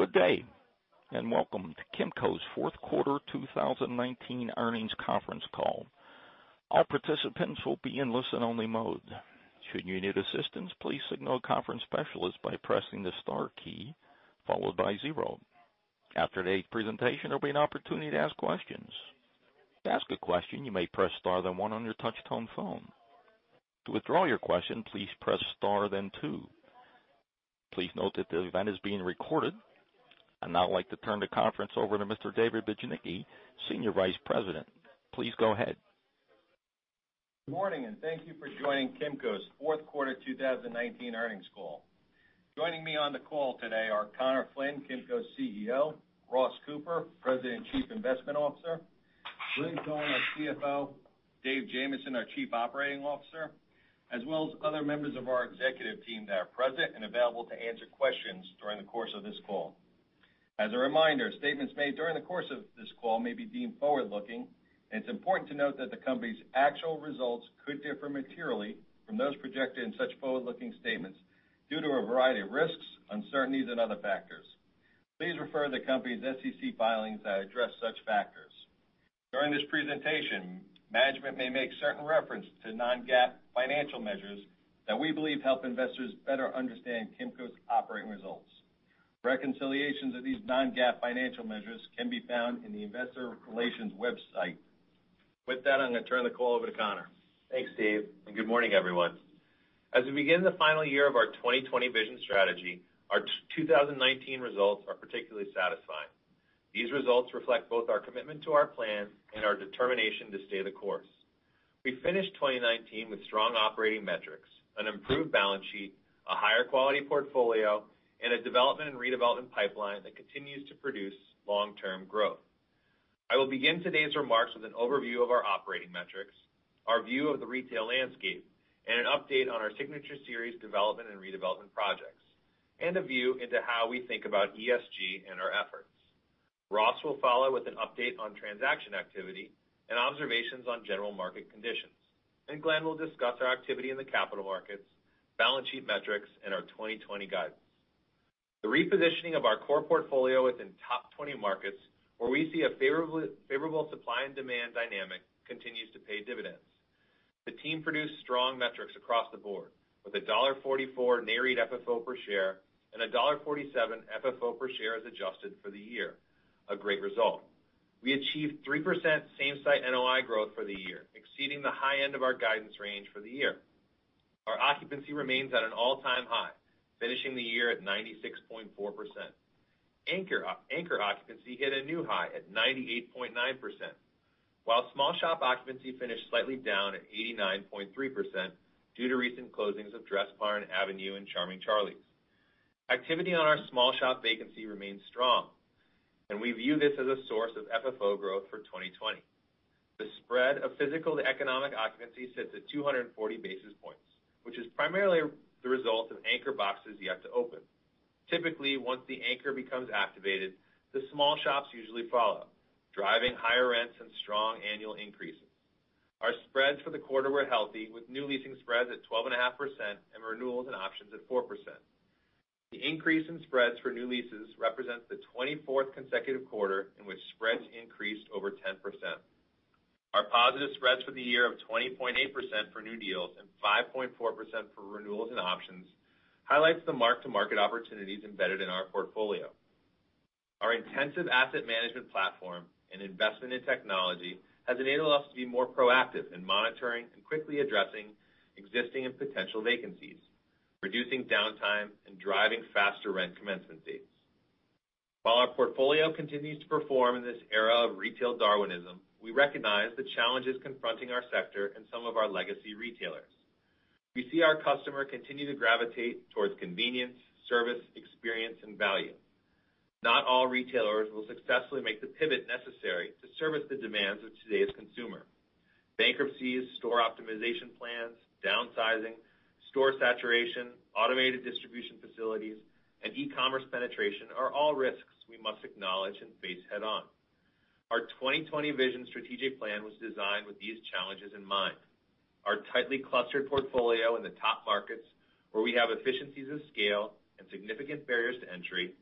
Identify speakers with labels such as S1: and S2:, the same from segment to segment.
S1: Good day, and welcome to Kimco's fourth quarter 2019 earnings conference call. All participants will be in listen-only mode. Should you need assistance, please signal a conference specialist by pressing the star key, followed by zero. After today's presentation, there'll be an opportunity to ask questions. To ask a question, you may press star, then one on your touch-tone phone. To withdraw your question, please press star, then two. Please note that the event is being recorded. I'd now like to turn the conference over to Mr. David Bujnicki, Senior Vice President. Please go ahead.
S2: Morning, thank you for joining Kimco's fourth quarter 2019 earnings call. Joining me on the call today are Conor Flynn, Kimco's CEO. Ross Cooper, President and Chief Investment Officer. Glenn Cohen, our CFO. Dave Jamieson, our Chief Operating Officer, as well as other members of our executive team that are present and available to answer questions during the course of this call. As a reminder, statements made during the course of this call may be deemed forward-looking, it's important to note that the company's actual results could differ materially from those projected in such forward-looking statements due to a variety of risks, uncertainties, and other factors. Please refer to the company's SEC filings that address such factors. During this presentation, management may make certain reference to non-GAAP financial measures that we believe help investors better understand Kimco's operating results. Reconciliations of these non-GAAP financial measures can be found on the investor relations website. With that, I'm going to turn the call over to Conor.
S3: Thanks, Dave. Good morning, everyone. As we begin the final year of our 2020 Vision strategy, our 2019 results are particularly satisfying. These results reflect both our commitment to our plan and our determination to stay the course. We finished 2019 with strong operating metrics, an improved balance sheet, a higher-quality portfolio, and a development and redevelopment pipeline that continues to produce long-term growth. I will begin today's remarks with an overview of our operating metrics, our view of the retail landscape, and an update on our Signature Series development and redevelopment projects, and a view into how we think about ESG and our efforts. Ross will follow with an update on transaction activity and observations on general market conditions. Glenn will discuss our activity in the capital markets, balance sheet metrics, and our 2020 guidance. The repositioning of our core portfolio within top 20 markets where we see a favorable supply and demand dynamic continues to pay dividends. The team produced strong metrics across the board with $1.44 NAREIT FFO per share and $1.47 FFO per share as adjusted for the year, a great result. We achieved 3% same-site NOI growth for the year, exceeding the high end of our guidance range for the year. Our occupancy remains at an all-time high, finishing the year at 96.4%. Anchor occupancy hit a new high at 98.9%, while small shop occupancy finished slightly down at 89.3% due to recent closings of Dressbarn, Avenue, and Charming Charlie. Activity on our small shop vacancy remains strong, and we view this as a source of FFO growth for 2020. The spread of physical to economic occupancy sits at 240 basis points, which is primarily the result of anchor boxes yet to open. Typically, once the anchor becomes activated, the small shops usually follow, driving higher rents and strong annual increases. Our spreads for the quarter were healthy, with new leasing spreads at 12.5% and renewals and options at 4%. The increase in spreads for new leases represents the 24th consecutive quarter in which spreads increased over 10%. Our positive spreads for the year of 20.8% for new deals and 5.4% for renewals and options highlights the mark-to-market opportunities embedded in our portfolio. Our intensive asset management platform and investment in technology has enabled us to be more proactive in monitoring and quickly addressing existing and potential vacancies, reducing downtime, and driving faster rent commencement dates. While our portfolio continues to perform in this era of retail Darwinism, we recognize the challenges confronting our sector and some of our legacy retailers. We see our customer continue to gravitate towards convenience, service, experience, and value. Not all retailers will successfully make the pivot necessary to service the demands of today's consumer. Bankruptcies, store optimization plans, downsizing, store saturation, automated distribution facilities, and e-commerce penetration are all risks we must acknowledge and face head-on. Our 2020 Vision strategic plan was designed with these challenges in mind. Our tightly clustered portfolio in the top markets where we have efficiencies of scale and significant barriers to entry,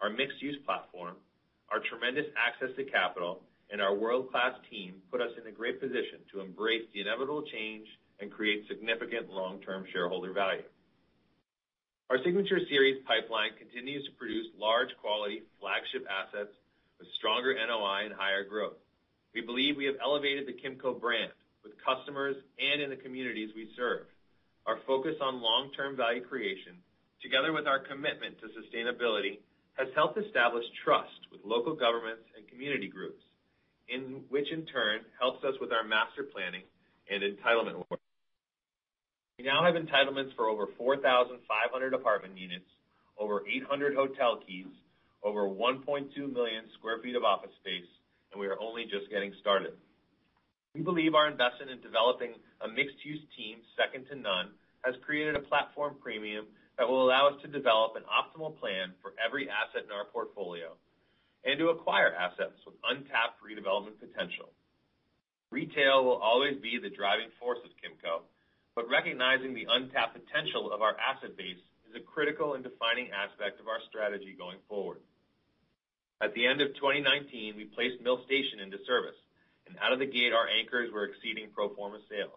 S3: our mixed-use platform, our tremendous access to capital, and our world-class team put us in a great position to embrace the inevitable change and create significant long-term shareholder value. Our Signature Series pipeline continues to produce large, quality flagship assets with stronger NOI and higher growth. We believe we have elevated the Kimco brand with customers and in the communities we serve. Our focus on long-term value creation, together with our commitment to sustainability, has helped establish trust with local governments and community groups. Which in turn helps us with our master planning and entitlement work. We now have entitlements for over 4,500 apartment units, over 800 hotel keys, over 1.2 million square feet of office space, and we are only just getting started. We believe our investment in developing a mixed-use team second to none has created a platform premium that will allow us to develop an optimal plan for every asset in our portfolio and to acquire assets with untapped redevelopment potential. Retail will always be the driving force of Kimco, but recognizing the untapped potential of our asset base is a critical and defining aspect of our strategy going forward. At the end of 2019, we placed Mill Station into service, and out of the gate, our anchors were exceeding pro forma sales.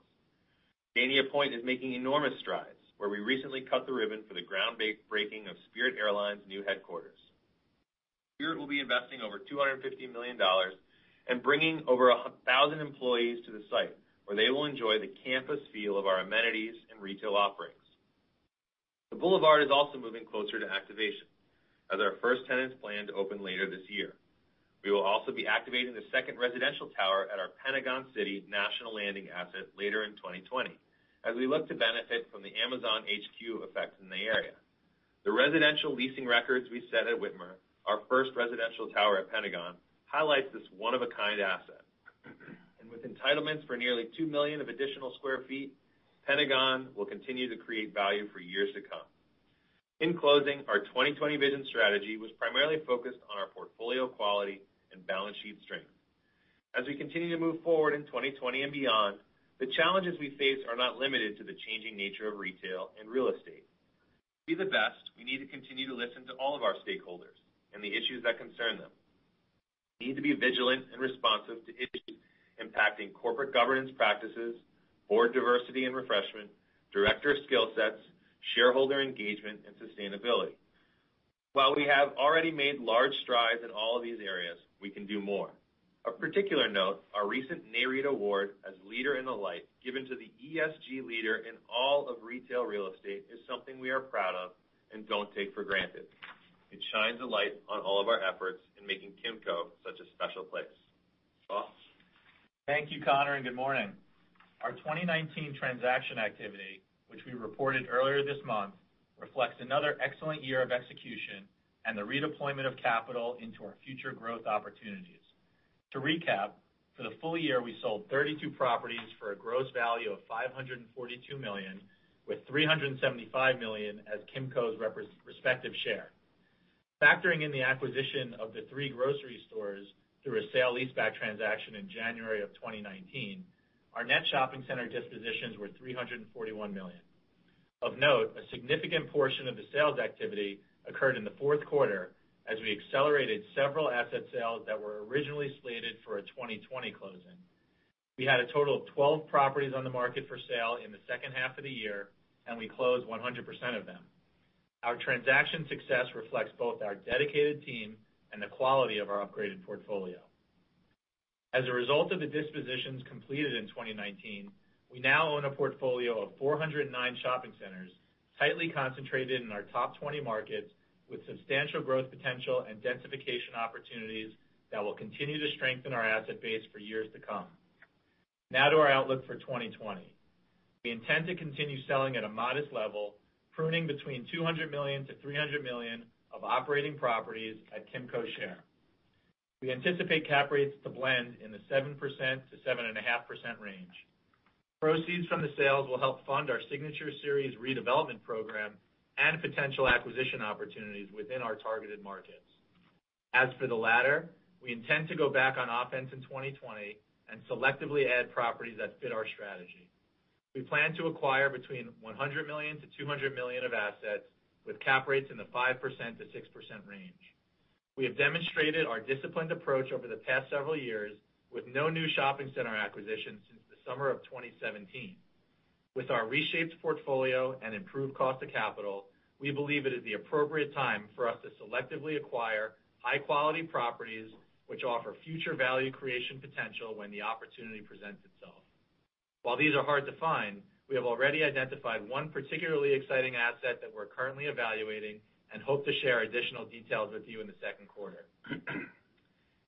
S3: Dania Pointe is making enormous strides, where we recently cut the ribbon for the groundbreaking of Spirit Airlines' new headquarters. Spirit will be investing over $250 million and bringing over 1,000 employees to the site, where they will enjoy the campus feel of our amenities and retail offerings. The Boulevard is also moving closer to activation, as our first tenants plan to open later this year. We will also be activating the second residential tower at our Pentagon City National Landing asset later in 2020, as we look to benefit from the Amazon HQ effect in the area. The residential leasing records we set at The Witmer, our first residential tower at Pentagon, highlights this one-of-a-kind asset. With entitlements for nearly 2 million of additional square feet, Pentagon will continue to create value for years to come. In closing, our 2020 Vision strategy was primarily focused on our portfolio quality and balance sheet strength. As we continue to move forward in 2020 and beyond, the challenges we face are not limited to the changing nature of retail and real estate. To be the best, we need to continue to listen to all of our stakeholders and the issues that concern them. We need to be vigilant and responsive to issues impacting corporate governance practices, board diversity and refreshment, director skill sets, shareholder engagement, and sustainability. While we have already made large strides in all of these areas, we can do more. Of particular note, our recent NAREIT award as Leader in the Light, given to the ESG leader in all of retail real estate, is something we are proud of and don't take for granted. It shines a light on all of our efforts in making Kimco such a special place. Ross?
S4: Thank you, Conor. Good morning. Our 2019 transaction activity, which we reported earlier this month, reflects another excellent year of execution and the redeployment of capital into our future growth opportunities. To recap, for the full year, we sold 32 properties for a gross value of $542 million, with $375 million as Kimco's respective share. Factoring in the acquisition of the three grocery stores through a sale-leaseback transaction in January of 2019, our net shopping center dispositions were $341 million. Of note, a significant portion of the sales activity occurred in the fourth quarter as we accelerated several asset sales that were originally slated for a 2020 closing. We had a total of 12 properties on the market for sale in the second half of the year, and we closed 100% of them. Our transaction success reflects both our dedicated team and the quality of our upgraded portfolio. As a result of the dispositions completed in 2019, we now own a portfolio of 409 shopping centers tightly concentrated in our top 20 markets, with substantial growth potential and densification opportunities that will continue to strengthen our asset base for years to come. Now to our outlook for 2020. We intend to continue selling at a modest level, pruning between $200 million-$300 million of operating properties at Kimco. We anticipate cap rates to blend in the 7%-7.5% range. Proceeds from the sales will help fund our Signature Series redevelopment program and potential acquisition opportunities within our targeted markets. As for the latter, we intend to go back on offense in 2020 and selectively add properties that fit our strategy. We plan to acquire between $100 million-$200 million of assets with cap rates in the 5%-6% range. We have demonstrated our disciplined approach over the past several years with no new shopping center acquisitions since the summer of 2017. With our reshaped portfolio and improved cost of capital, we believe it is the appropriate time for us to selectively acquire high-quality properties which offer future value creation potential when the opportunity presents itself. While these are hard to find, we have already identified one particularly exciting asset that we're currently evaluating and hope to share additional details with you in the second quarter.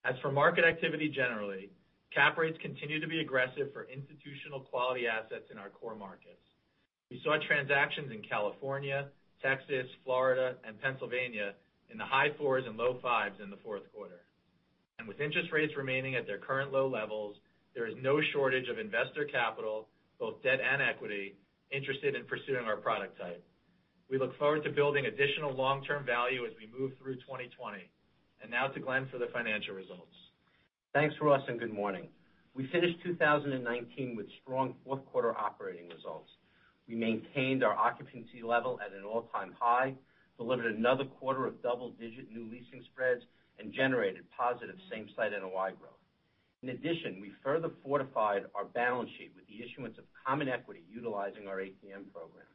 S4: As for market activity generally, cap rates continue to be aggressive for institutional quality assets in our core markets. We saw transactions in California, Texas, Florida, and Pennsylvania in the high fours and low fives in the fourth quarter. With interest rates remaining at their current low levels, there is no shortage of investor capital, both debt and equity, interested in pursuing our product type. We look forward to building additional long-term value as we move through 2020. Now to Glenn for the financial results.
S5: Thanks, Ross. Good morning. We finished 2019 with strong fourth-quarter operating results. We maintained our occupancy level at an all-time high, delivered another quarter of double-digit new leasing spreads, and generated positive same-site NOI growth. In addition, we further fortified our balance sheet with the issuance of common equity utilizing our ATM program.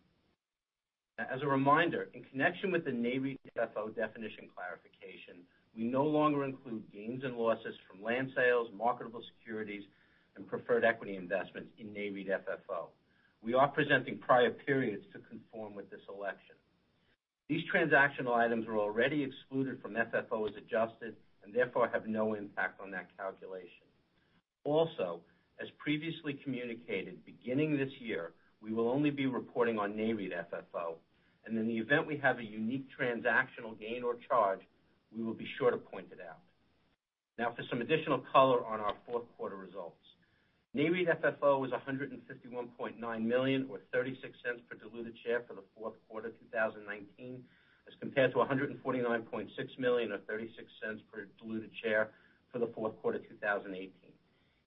S5: As a reminder, in connection with the NAREIT FFO definition clarification, we no longer include gains and losses from land sales, marketable securities, and preferred equity investments in NAREIT FFO. We are presenting prior periods to conform with this election. These transactional items were already excluded from FFO as adjusted, and therefore have no impact on that calculation. As previously communicated, beginning this year, we will only be reporting on NAREIT FFO, and in the event we have a unique transactional gain or charge, we will be sure to point it out. Now for some additional color on our fourth quarter results. NAREIT FFO was $151.9 million, or $0.36 per diluted share for the fourth quarter 2019, as compared to $149.6 million, or $0.36 per diluted share for the fourth quarter 2018.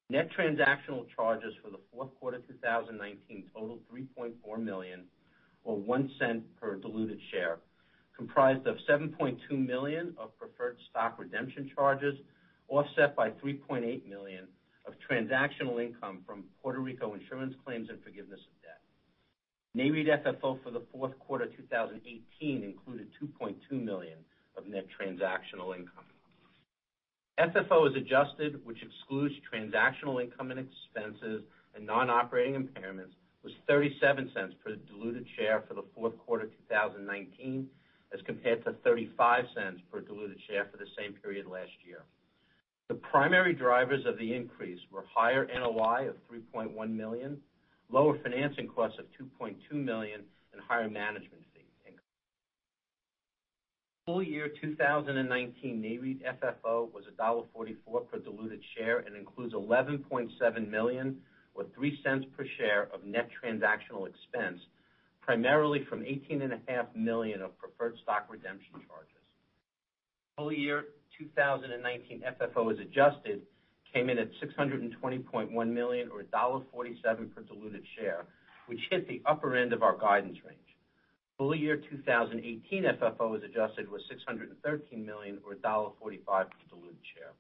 S5: Net transactional charges for the fourth quarter 2019 totaled $3.4 million or $0.01 per diluted share, comprised of $7.2 million of preferred stock redemption charges, offset by $3.8 million of transactional income from Puerto Rico insurance claims and forgiveness of debt. NAREIT FFO for the fourth quarter 2018 included $2.2 million of net transactional income. FFO as adjusted, which excludes transactional income and expenses and non-operating impairments, was $0.37 per diluted share for the fourth quarter 2019, as compared to $0.35 per diluted share for the same period last year. The primary drivers of the increase were higher NOI of $3.1 million, lower financing costs of $2.2 million, and higher management fee income. Full-year 2019 NAREIT FFO was $1.44 per diluted share and includes $11.7 million, or $0.03 per share of net transactional expense, primarily from $18.5 million of preferred stock redemption charges. Full-year 2019 FFO as adjusted came in at $620.1 million or $1.47 per diluted share, which hit the upper end of our guidance range. Full year 2018 FFO as adjusted was $613 million or $1.45 per diluted share.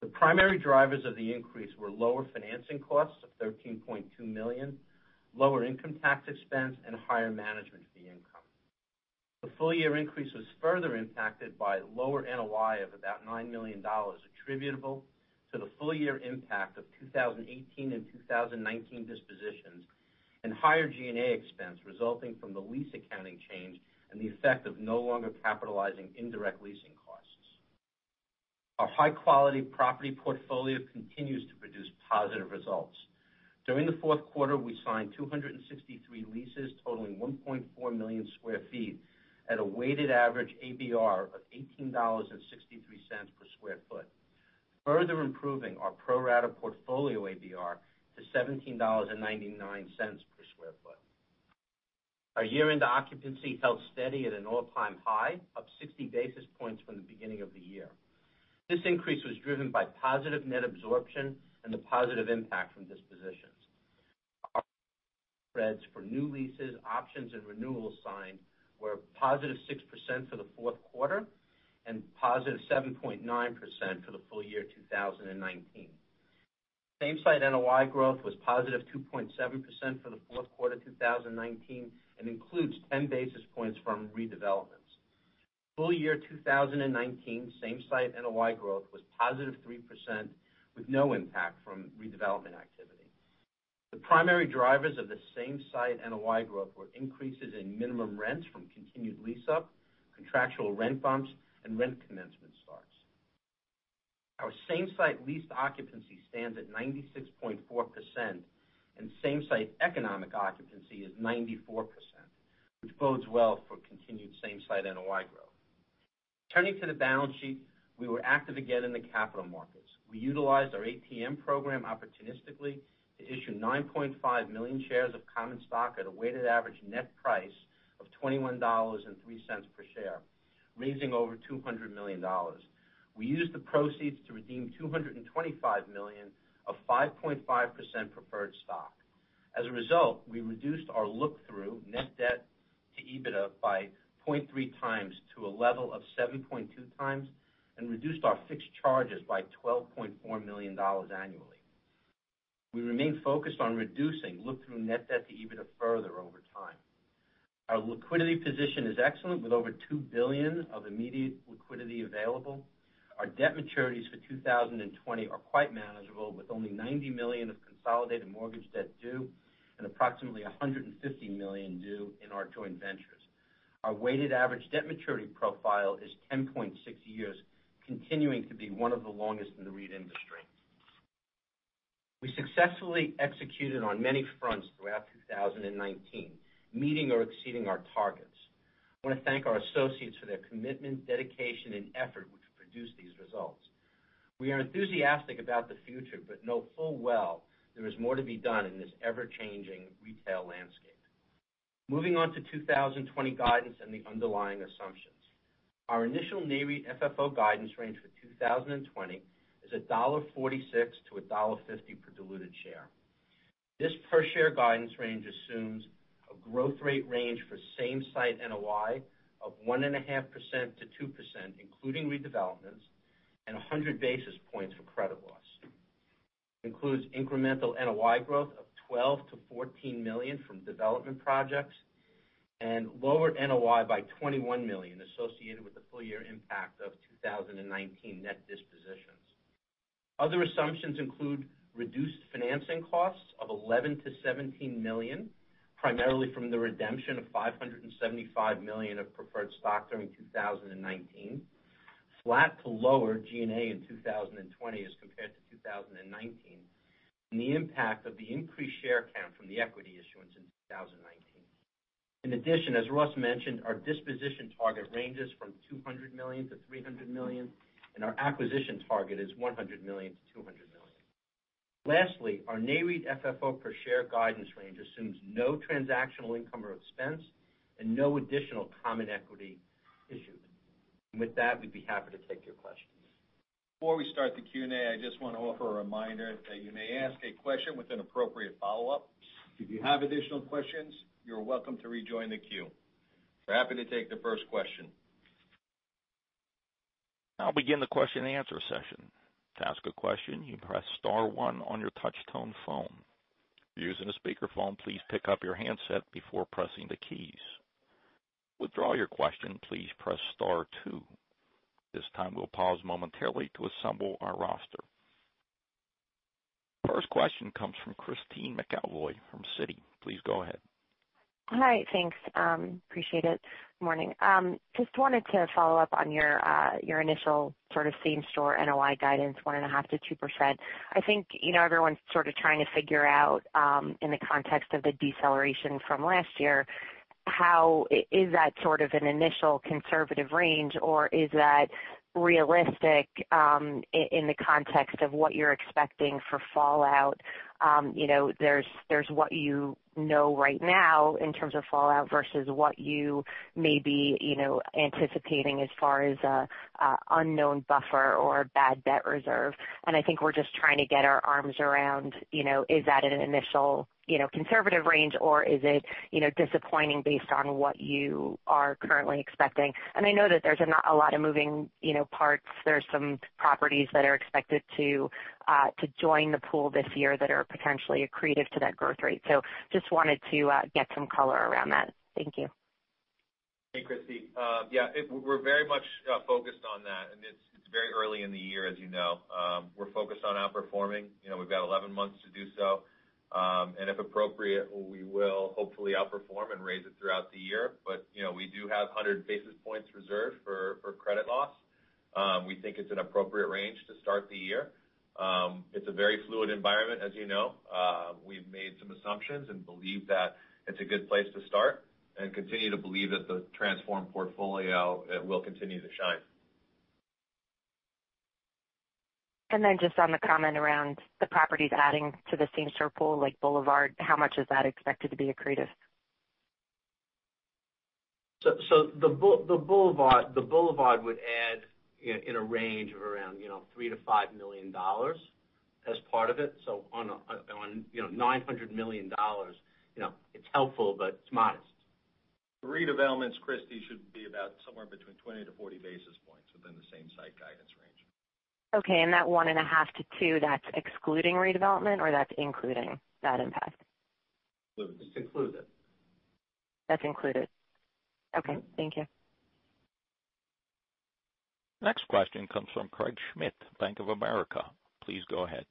S5: The primary drivers of the increase were lower financing costs of $13.2 million, lower income tax expense, and higher management fee income. The full-year increase was further impacted by lower NOI of about $9 million attributable to the full year impact of 2018 and 2019 dispositions, and higher G&A expense resulting from the lease accounting change and the effect of no longer capitalizing indirect leasing costs. Our high-quality property portfolio continues to produce positive results. During the fourth quarter, we signed 263 leases totaling 1.4 million square feet at a weighted average ABR of $18.63 per square foot, further improving our pro-rata portfolio ABR to $17.99 per square foot. Our year-end occupancy held steady at an all-time high of 60 basis points from the beginning of the year. This increase was driven by positive net absorption and the positive impact from dispositions. Spreads for new leases, options, and renewals signed were a positive 6% for the fourth quarter and +7.9% for the full year 2019. Same-site NOI growth was +2.7% for the fourth quarter 2019 and includes 10 basis points from redevelopments. Full year 2019 same-site NOI growth was +3% with no impact from redevelopment activity. The primary drivers of the same-site NOI growth were increases in minimum rents from continued lease-up, contractual rent bumps, and rent commencement starts. Our same-site leased occupancy stands at 96.4%, and same-site economic occupancy is 94%, which bodes well for continued same-site NOI growth. Turning to the balance sheet, we were active again in the capital markets. We utilized our ATM program opportunistically to issue 9.5 million shares of common stock at a weighted average net price of $21.03 per share, raising over $200 million. We used the proceeds to redeem $225 million of 5.5% preferred stock. As a result, we reduced our look-through net debt-to-EBITDA by 0.3x to a level of 7.2x and reduced our fixed charges by $12.4 million annually. We remain focused on reducing look-through net debt-to-EBITDA further over time. Our liquidity position is excellent, with over $2 billion of immediate liquidity available. Our debt maturities for 2020 are quite manageable, with only $90 million of consolidated mortgage debt due and approximately $150 million due in our joint ventures. Our weighted average debt maturity profile is 10.6 years, continuing to be one of the longest in the REIT industry. We successfully executed on many fronts throughout 2019, meeting or exceeding our targets. I want to thank our associates for their commitment, dedication, and effort, which produced these results. We are enthusiastic about the future but know full well there is more to be done in this ever-changing retail landscape. Moving on to 2020 guidance and the underlying assumptions. Our initial NAREIT FFO guidance range for 2020 is $1.46-$1.50 per diluted share. This per-share guidance range assumes a growth rate range for same-site NOI of 1.5%-2%, including redevelopments, and 100 basis points for credit loss. Includes incremental NOI growth of $12 million-$14 million from development projects and lowered NOI by $21 million associated with the full-year impact of 2019 net dispositions. Other assumptions include reduced financing costs of $11 million-$17 million, primarily from the redemption of $575 million of preferred stock during 2019, flat to lower G&A in 2020 as compared to 2019, and the impact of the increased share count from the equity issuance in 2019. In addition, as Ross mentioned, our disposition target ranges from $200 million-$300 million, and our acquisition target is $100 million-$200 million. Lastly, our NAREIT FFO per share guidance range assumes no transactional income or expense and no additional common equity issued. With that, we'd be happy to take your questions.
S2: Before we start the Q&A, I just want to offer a reminder that you may ask a question with an appropriate follow-up. If you have additional questions, you're welcome to rejoin the queue. We're happy to take the first question.
S1: I'll begin the question and answer session. To ask a question, you press star one on your touch-tone phone. If you're using a speakerphone, please pick up your handset before pressing the keys. To withdraw your question, please press star two. This time, we'll pause momentarily to assemble our roster. First question comes from Christine McElroy from Citi. Please go ahead.
S6: Hi, thanks. Appreciate it. Morning. Just wanted to follow up on your initial sort of same-store NOI guidance, 1.5%-2%. I think everyone's sort of trying to figure out, in the context of the deceleration from last year, how is that sort of an initial conservative range, or is that realistic in the context of what you're expecting for fallout? There's what you know right now in terms of fallout versus what you may be anticipating as far as unknown buffer or bad debt reserve. I think we're just trying to get our arms around, is that an initial conservative range, or is it disappointing based on what you are currently expecting? I know that there's not a lot of moving parts. There's some properties that are expected to join the pool this year that are potentially accretive to that growth rate. Just wanted to get some color around that. Thank you.
S3: Hey, Christy. Yeah, we're very much focused on that, and it's very early in the year, as you know. We're focused on outperforming. We've got 11 months to do so. If appropriate, we will hopefully outperform and raise it throughout the year. We do have 100 basis points reserved for credit loss. We think it's an appropriate range to start the year. It's a very fluid environment, as you know. We've made some assumptions and believe that it's a good place to start and continue to believe that the transformed portfolio will continue to shine.
S6: Just on the comment around the properties adding to the same store pool like Boulevard, how much is that expected to be accretive?
S5: The Boulevard would add in a range of around $3 million-$5 million as part of it. On $900 million, it's helpful, but it's modest.
S3: The redevelopments, Christine, should be about somewhere between 20 basis points-40 basis points within the same-site guidance range.
S6: Okay, that 1.5%-2%, that's excluding redevelopment, or that's including that impact?
S5: Included.
S3: It's included.
S6: That's included. Okay. Thank you.
S1: Next question comes from Craig Schmidt, Bank of America. Please go ahead.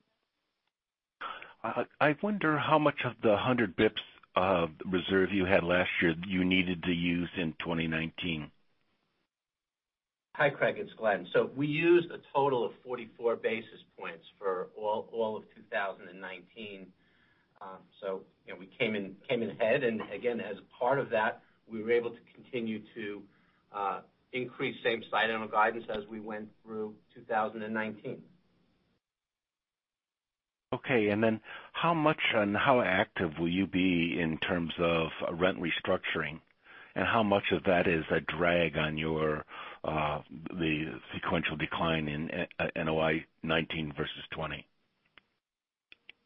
S7: I wonder how much of the 100 basis points of reserve you had last year you needed to use in 2019?
S5: Hi, Craig. It's Glenn. We used a total of 44 basis points for all of 2019. We came in ahead. Again, as part of that, we were able to continue to increase same-site NOI guidance as we went through 2019.
S7: Okay. How much and how active will you be in terms of rent restructuring, and how much of that is a drag on the sequential decline in NOI 2019 versus 2020?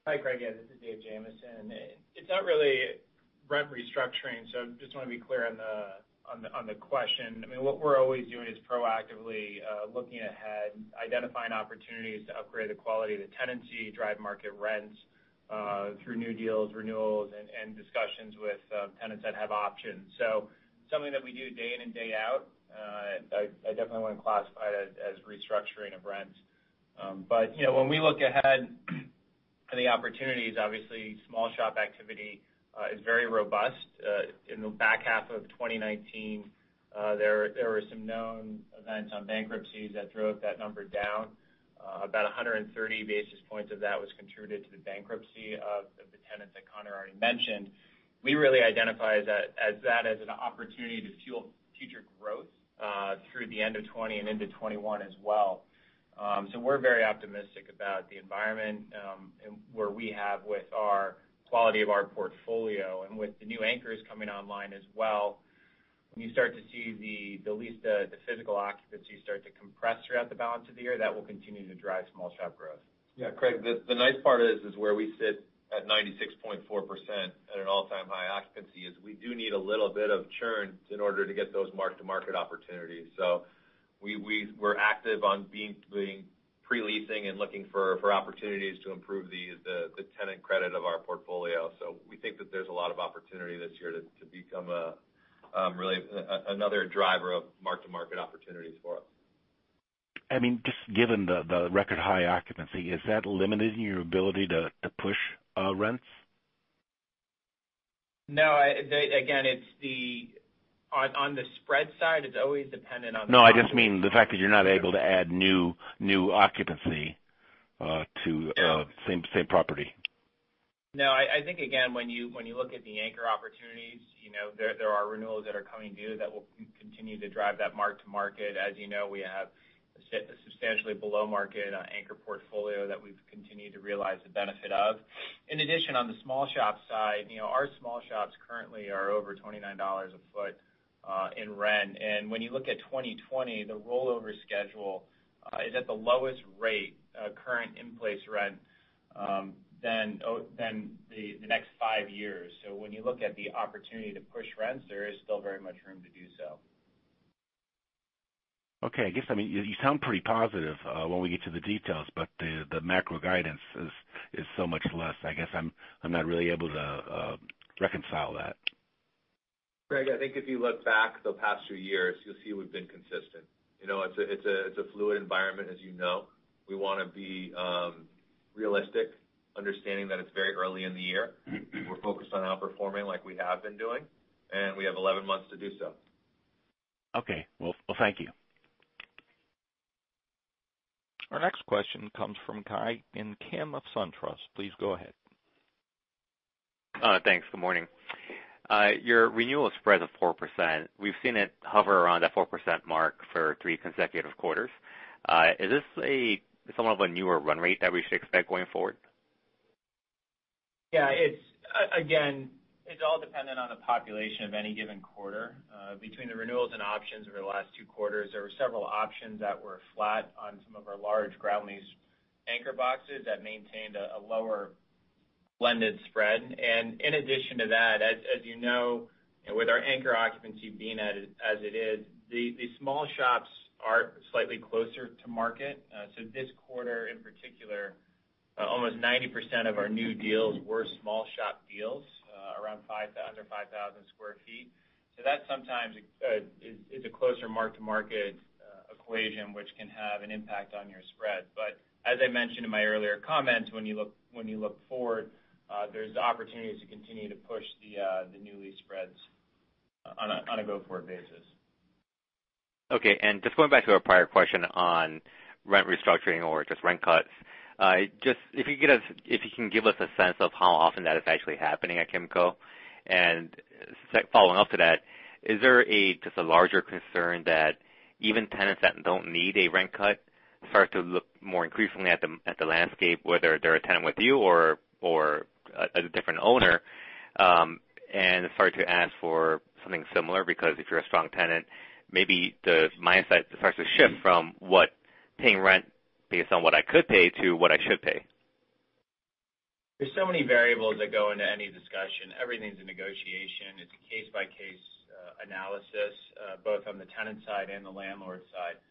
S8: Hi, Craig. Yeah, this is Dave Jamieson. It's not really rent restructuring. Just want to be clear on the question. I mean, what we're always doing is proactively looking ahead, identifying opportunities to upgrade the quality of the tenancy, drive market rents through new deals, renewals, and discussions with tenants that have options. Something that we do day in and day out. I definitely wouldn't classify it as restructuring of rents. When we look ahead at the opportunities, obviously small shop activity is very robust. In the back half of 2019, there were some known events on bankruptcies that drove that number down. About 130 basis points of that was contributed to the bankruptcy of the tenants that Conor already mentioned. We really identify that as an opportunity to fuel future growth through the end of 2020 and into 2021 as well. We're very optimistic about the environment where we have with our quality of our portfolio and with the new anchors coming online as well. When you start to see the physical occupancy start to compress throughout the balance of the year, that will continue to drive small shop growth.
S3: Yeah, Craig, the nice part is where we sit at 96.4% at an all-time high occupancy is we do need a little bit of churn in order to get those mark-to-market opportunities. We're active on pre-leasing and looking for opportunities to improve the tenant credit of our portfolio. We think that there's a lot of opportunity this year to become really another driver of mark-to-market opportunities for us.
S7: I mean, just given the record-high occupancy, is that limiting your ability to push rents?
S8: No. Again, on the spread side, it's always dependent.
S7: No, I just mean the fact that you're not able to add new occupancy to same property.
S8: No. I think, again, when you look at the anchor opportunities, there are renewals that are coming due that will continue to drive that mark-to-market. As you know, we have a substantially below-market anchor portfolio that we've continued to realize the benefit of. In addition, on the small shop side, our small shops currently are over $29 a foot in rent. When you look at 2020, the rollover schedule is at the lowest rate, current in-place rent, than the next five years. When you look at the opportunity to push rents, there is still very much room to do so.
S7: Okay. I guess, you sound pretty positive when we get to the details, but the macro guidance is so much less. I guess I'm not really able to reconcile that.
S3: Craig, I think if you look back the past few years, you'll see we've been consistent. It's a fluid environment, as you know. We want to be realistic, understanding that it's very early in the year. We're focused on outperforming like we have been doing. We have 11 months to do so.
S7: Okay. Well, thank you.
S1: Our next question comes from Ki Bin Kim of SunTrust. Please go ahead.
S9: Thanks. Good morning. Your renewal spread of 4%, we've seen it hover around that 4% mark for three consecutive quarters. Is this somewhat of a newer run rate that we should expect going forward?
S8: Again, it's all dependent on the population of any given quarter. Between the renewals and options over the last two quarters, there were several options that were flat on some of our large ground lease anchor boxes that maintained a lower blended spread. In addition to that, as you know, with our anchor occupancy being as it is, the small shops are slightly closer to market. This quarter in particular, almost 90% of our new deals were small shop deals, under 5,000 sq ft. That sometimes is a closer mark-to-market equation, which can have an impact on your spread. As I mentioned in my earlier comments, when you look forward, there's opportunities to continue to push the new lease spreads on a go-forward basis.
S9: Okay. Just going back to our prior question on rent restructuring or just rent cuts. If you can give us a sense of how often that is actually happening at Kimco. Following up to that, is there just a larger concern that even tenants that don't need a rent cut start to look more increasingly at the landscape, whether they're a tenant with you or a different owner, and start to ask for something similar? If you're a strong tenant, maybe the mindset starts to shift from what paying rent based on what I could pay to what I should pay.
S8: There's so many variables that go into any discussion. Everything's a negotiation. It's a case-by-case analysis, both on the tenant side and the landlord side.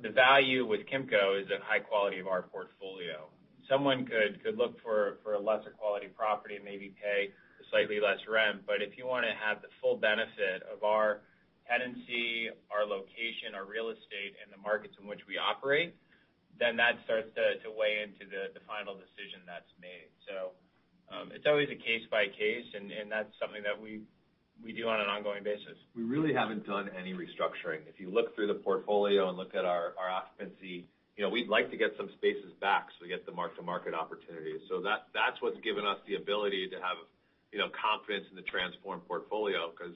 S8: The value with Kimco is the high quality of our portfolio. Someone could look for a lesser-quality property and maybe pay slightly less rent. If you want to have the full benefit of our tenancy, our location, our real estate, and the markets in which we operate, that starts to weigh into the final decision that's made. It's always a case-by-case, and that's something that we do on an ongoing basis.
S3: We really haven't done any restructuring. If you look through the portfolio and look at our occupancy, we'd like to get some spaces back so we get the mark-to-market opportunities. That's what's given us the ability to have confidence in the transformed portfolio, because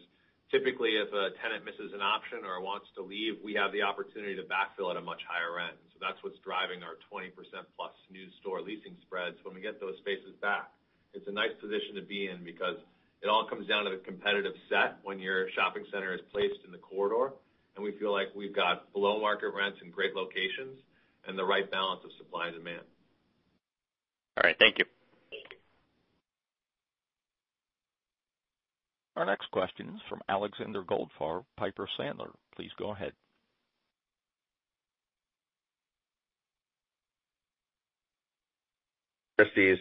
S3: typically, if a tenant misses an option or wants to leave, we have the opportunity to backfill at a much higher rent. That's what's driving our 20%+ new store leasing spreads when we get those spaces back. It's a nice position to be in because it all comes down to the competitive set when your shopping center is placed in the corridor, and we feel like we've got below-market rents in great locations and the right balance of supply and demand.
S9: All right. Thank you.
S8: Thank you.
S1: Our next question is from Alexander Goldfarb, Piper Sandler. Please go ahead.
S10: Christy's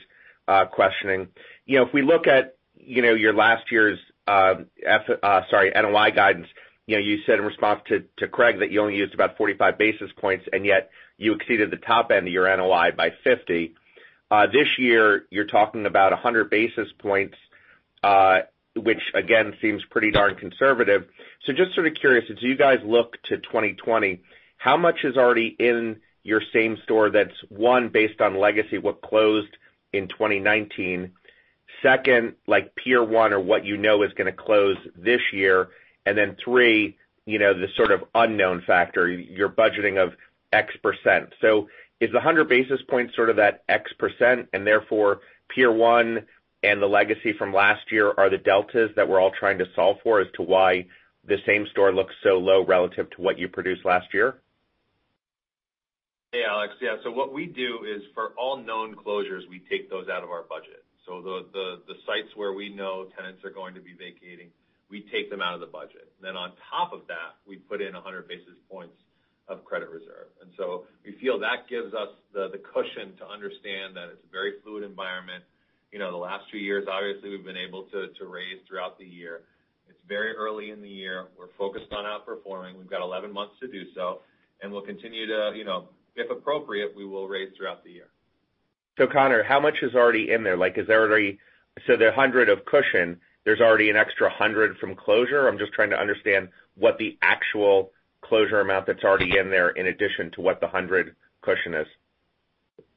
S10: questioning. If we look at your last year's NOI guidance, you said in response to Craig that you only used about 45 basis points, and yet you exceeded the top end of your NOI by 50 basis points. This year, you're talking about 100 basis points, which again, seems pretty darn conservative. Just sort of curious, as you guys look to 2020, how much is already in your same store that's, one, based on legacy, what closed in 2019. Second, like Pier 1 or what you know is going to close this year. Three, the sort of unknown factor, your budgeting of X percent. Is the 100 basis points sort of that X percent and therefore Pier 1 and the legacy from last year are the deltas that we're all trying to solve for as to why the same store looks so low relative to what you produced last year?
S3: Hey, Alex. Yeah. What we do is for all known closures, we take those out of our budget. The sites where we know tenants are going to be vacating, we take them out of the budget. On top of that, we put in 100 basis points of credit reserve. We feel that gives us the cushion to understand that it's a very fluid environment. The last two years, obviously, we've been able to raise throughout the year. It's very early in the year. We're focused on outperforming. We've got 11 months to do so, we'll continue to, if appropriate, we will raise throughout the year.
S10: Conor, how much is already in there? The 100 basis points of cushion, there's already an extra 100 basis points from closure. I'm just trying to understand what the actual closure amount that's already in there in addition to what the 100 basis points cushion is.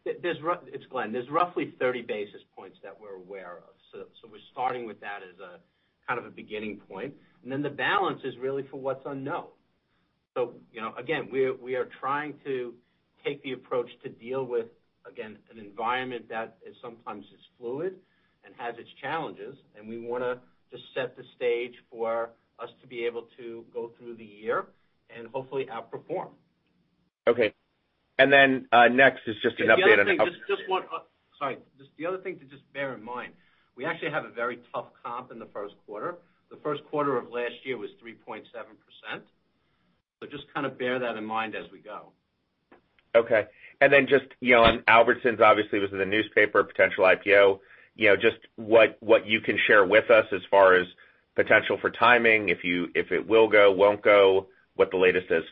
S5: It's Glenn. There's roughly 30 basis points that we're aware of. We're starting with that as a kind of a beginning point. The balance is really for what's unknown. Again, we are trying to take the approach to deal with, again, an environment that is sometimes fluid and has its challenges, and we want to just set the stage for us to be able to go through the year and hopefully outperform.
S10: Okay. Next is just an update on.
S5: The other thing, sorry. Just the other thing to just bear in mind, we actually have a very tough comp in the first quarter. The first quarter of last year was 3.7%. Just kind of bear that in mind as we go.
S10: Okay. Just on Albertsons, obviously was in the newspaper, potential IPO. Just what you can share with us as far as potential for timing, if it will go, won't go, what the latest is?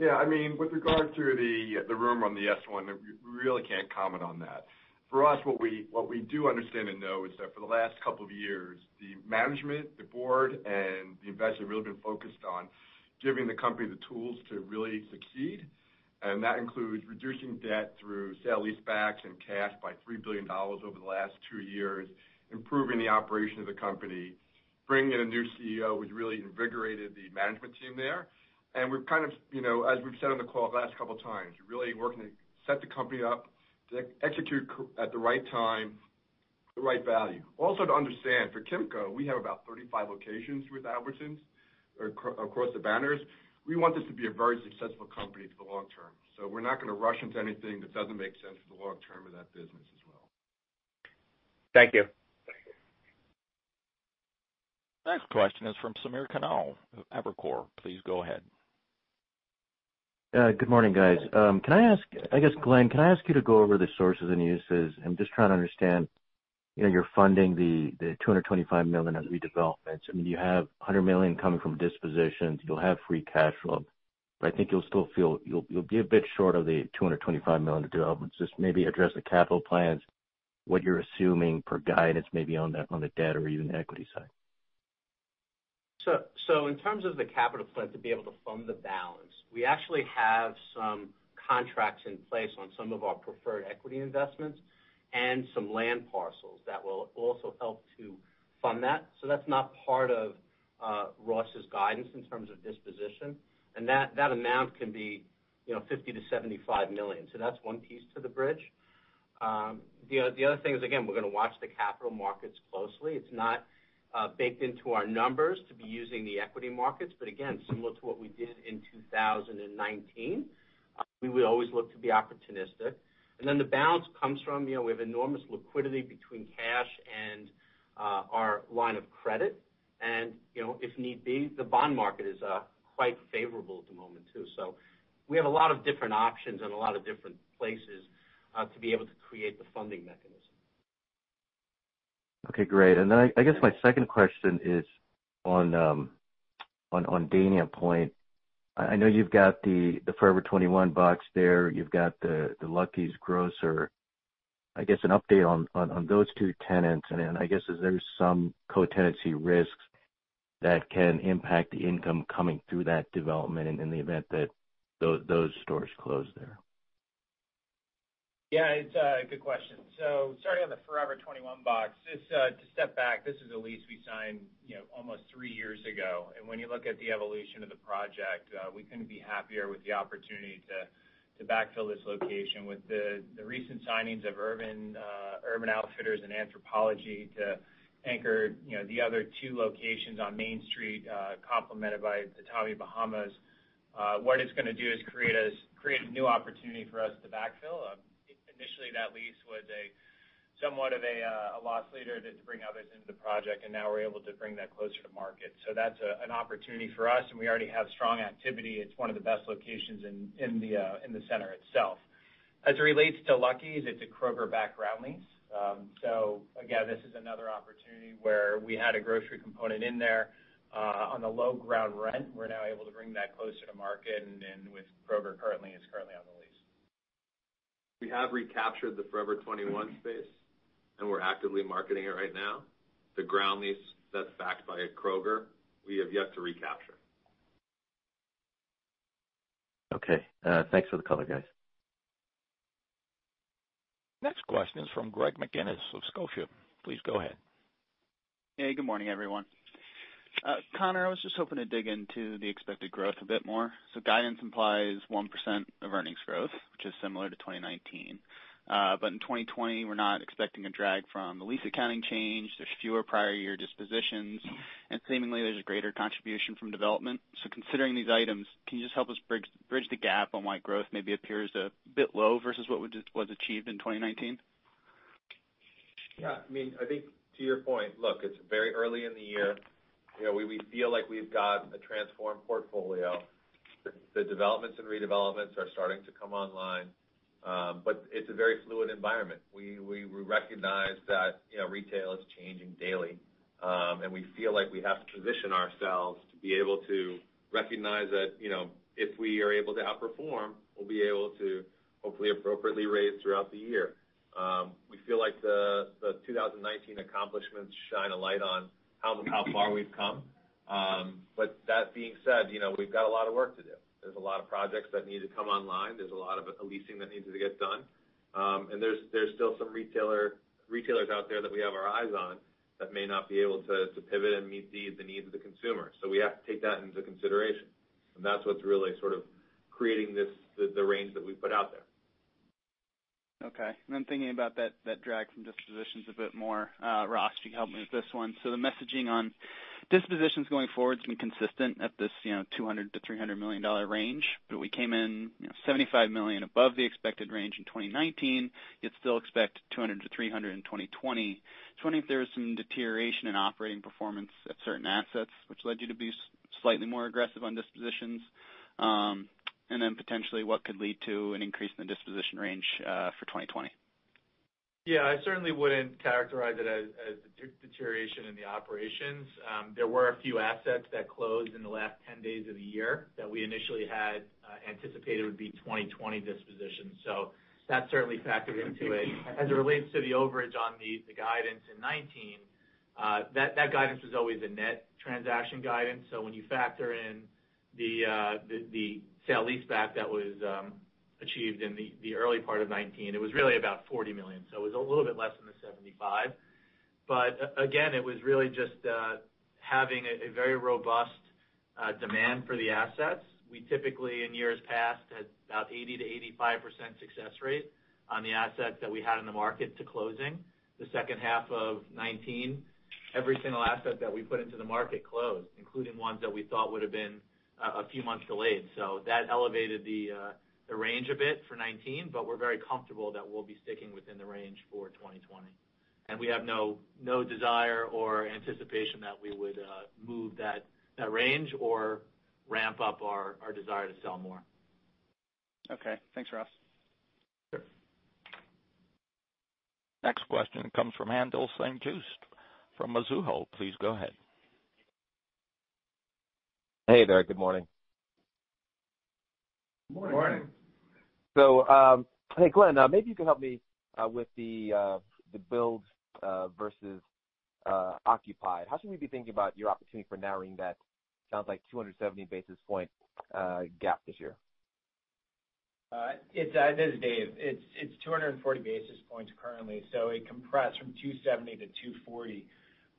S4: Yeah, with regard to the rumor on the S-1, we really can't comment on that. What we do understand and know is that for the last couple of years, the management, the board, and the investors have really been focused on giving the company the tools to really succeed. That includes reducing debt through sale-leasebacks and cash by $3 billion over the last two years, improving the operation of the company, bringing in a new CEO who's really invigorated the management team there. As we've said on the call the last couple of times, really working to set the company up to execute at the right time, the right value. Also to understand, for Kimco, we have about 35 locations with Albertsons across the banners. We want this to be a very successful company for the long term. We're not going to rush into anything that doesn't make sense for the long term of that business as well.
S10: Thank you.
S1: Next question is from Samir Khanal of Evercore. Please go ahead.
S11: Good morning, guys. I guess, Glenn, can I ask you to go over the sources and uses? I'm just trying to understand your funding, the $225 million of redevelopments. I mean, you have $100 million coming from dispositions. You'll have free cash flow, but I think you'll be a bit short of the $225 million of developments. Just maybe address the capital plans, what you're assuming for guidance maybe on the debt or even equity side.
S5: In terms of the capital plan to be able to fund the balance, we actually have some contracts in place on some of our preferred equity investments and some land parcels that will also help to fund that. That is not part of Ross's guidance in terms of disposition. That amount can be $50 million-$75 million. That is one piece to the bridge. The other thing is, again, we are going to watch the capital markets closely. It is not baked into our numbers to be using the equity markets, but again, similar to what we did in 2019, we will always look to be opportunistic. The balance comes from, we have enormous liquidity between cash and our line of credit. If need be, the bond market is quite favorable at the moment too. We have a lot of different options and a lot of different places to be able to create the funding mechanism.
S11: Okay, great. I guess my second question is on Dania Pointe. I know you've got the Forever 21 box there. You've got the Lucky's grocer. I guess an update on those two tenants, I guess is there some co-tenancy risks that can impact the income coming through that development in the event that those stores close there?
S4: Yeah, it's a good question. Starting on the Forever 21 box, just to step back, this is a lease we signed almost three years ago. When you look at the evolution of the project, we couldn't be happier with the opportunity to backfill this location with the recent signings of Urban Outfitters and Anthropologie to anchor the other two locations on Main Street, complemented by Tommy Bahama. What it's going to do is create a new opportunity for us to backfill. Initially, that lease was somewhat of a loss leader to bring others into the project, and now we're able to bring that closer to market. That's an opportunity for us, and we already have strong activity. It's one of the best locations in the center itself. As it relates to Lucky's, it's a Kroger-backed ground lease. Again, this is another opportunity where we had a grocery component in there on a low ground rent. We're now able to bring that closer to market, and with Kroger currently, it's currently on the lease.
S3: We have recaptured the Forever 21 space, and we're actively marketing it right now. The ground lease that's backed by Kroger, we have yet to recapture.
S11: Okay. Thanks for the color, guys.
S1: Next question is from Greg McGinnis of Scotiabank. Please go ahead.
S12: Hey, good morning, everyone. Conor, I was just hoping to dig into the expected growth a bit more. Guidance implies 1% of earnings growth, which is similar to 2019. In 2020, we're not expecting a drag from the lease accounting change. There's fewer prior year dispositions, and seemingly there's a greater contribution from development. Considering these items, can you just help us bridge the gap on why growth maybe appears a bit low versus what was achieved in 2019?
S3: Yeah. I think to your point, look, it's very early in the year. We feel like we've got a transformed portfolio. The developments and redevelopments are starting to come online. It's a very fluid environment. We recognize that retail is changing daily. We feel like we have to position ourselves to be able to recognize that if we are able to outperform, we'll be able to hopefully appropriately raise throughout the year. We feel like the 2019 accomplishments shine a light on how far we've come. That being said, we've got a lot of work to do. There's a lot of projects that need to come online. There's a lot of leasing that needs to get done. There's still some retailers out there that we have our eyes on that may not be able to pivot and meet the needs of the consumer. We have to take that into consideration, and that's what's really sort of creating the range that we've put out there.
S12: Thinking about that drag from dispositions a bit more. Ross, could you help me with this one? The messaging on dispositions going forward is going to be consistent at this $200 million-$300 million range. We came in $75 million above the expected range in 2019. You'd still expect $200 million-$300 million in 2020. Just wondering if there was some deterioration in operating performance at certain assets which led you to be slightly more aggressive on dispositions. Potentially what could lead to an increase in the disposition range for 2020.
S4: Yeah, I certainly wouldn't characterize it as a deterioration in the operations. There were a few assets that closed in the last 10 days of the year that we initially had anticipated would be 2020 dispositions. That certainly factored into it. As it relates to the overage on the guidance in 2019, that guidance was always a net transaction guidance. When you factor in the sale-leaseback that was achieved in the early part of 2019, it was really about $40 million. It was a little bit less than the $75. Again, it was really just having a very robust demand for the assets. We typically, in years past, had about 80%-85% success rate on the assets that we had in the market to closing. The second half of 2019, every single asset that we put into the market closed, including ones that we thought would have been a few months delayed. That elevated the range a bit for 2019. We're very comfortable that we'll be sticking within the range for 2020. We have no desire or anticipation that we would move that range or ramp up our desire to sell more.
S12: Okay. Thanks, Ross.
S4: Sure.
S1: Next question comes from Haendel St. Juste from Mizuho. Please go ahead.
S13: Hey there. Good morning.
S3: Morning.
S8: Morning.
S13: Hey, Glenn, maybe you can help me with the builds versus occupied. How should we be thinking about your opportunity for narrowing that, sounds like 270 basis point gap this year?
S8: This is Dave. It's 240 basis points currently. It compressed from 270 basis points to 240 basis points.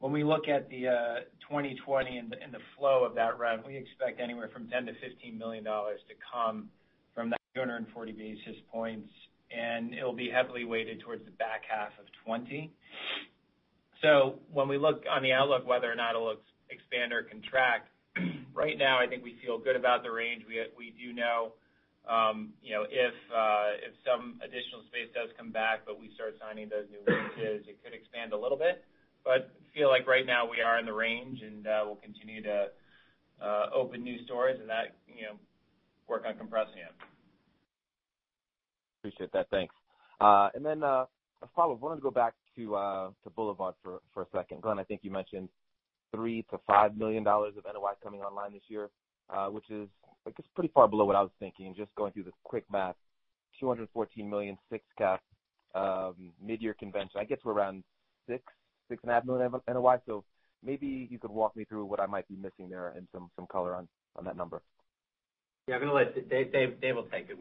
S8: When we look at the 2020 and the flow of that rent, we expect anywhere from $10 million-$15 million to come from that 240 basis points, and it'll be heavily weighted towards the back half of 2020. When we look on the outlook, whether or not it'll expand or contract, right now, I think we feel good about the range. We do know if some additional space does come back, but we start signing those new leases, it could expand a little bit. Feel like right now we are in the range, and we'll continue to open new stores and work on compressing it.
S13: Appreciate that. Thanks. A follow-up. Wanted to go back to The Boulevard for a second. Glenn, I think you mentioned $3 million-$5 million of NOI coming online this year, which is pretty far below what I was thinking. Just going through the quick math, $214 million, fixed-cap, midyear convention, I get to around $6 million, $6.5 million of NOI. Maybe you could walk me through what I might be missing there and some color on that number.
S5: Yeah, Dave will take you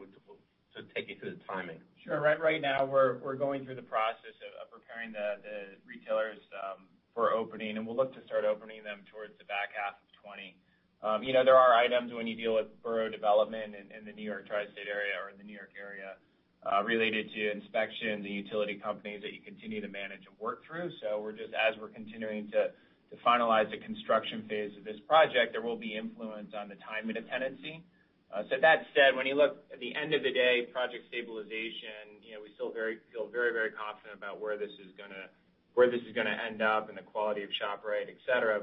S5: through the timing.
S8: Sure. Right now, we're going through the process of preparing the retailers for opening, and we'll look to start opening them towards the back half of 2020. There are items when you deal with borough development in the New York tri-state area or in the New York area related to inspections and utility companies that you continue to manage and work through. As we're continuing to finalize the construction phase of this project, there will be influence on the timing of tenancy. That said, when you look at the end of the day project stabilization, we still feel very confident about where this is going to end up and the quality of shop rate, et cetera.